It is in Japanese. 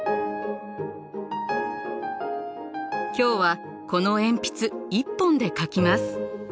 今日はこの鉛筆１本で描きます。